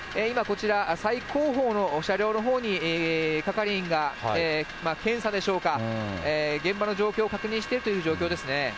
今、こちら、最後方の車両のほうに係員が検査でしょうか、現場の状況を確認しているという状況ですね。